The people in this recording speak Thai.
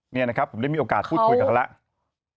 นี่นะครับผมได้มีโอกาสพูดคุยกับเขาแล้ว